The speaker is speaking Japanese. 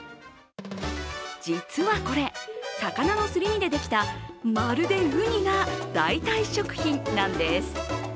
実はこれ、魚のすり身でできたまるでうにな代替食品なんです。